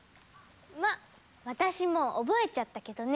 まっ私もう覚えちゃったけどね。